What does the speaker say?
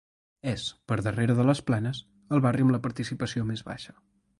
És, per darrere de les Planes, el barri amb la participació més baixa.